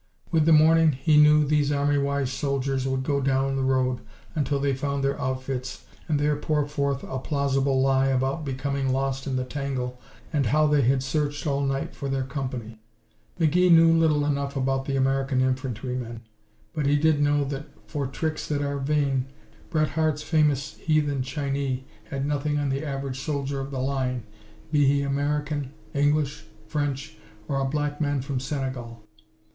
With the morning, he knew, these army wise soldiers would go down the road until they found their outfits and there pour forth a plausible lie about becoming lost in the tangle and how they had searched all night for their company. McGee knew little enough about the American infantrymen, but he did know that "for tricks that are vain" Bret Harte's famous heathen Chinee had nothing on the average soldier of the line, be he American, English, French or a black man from Senegal.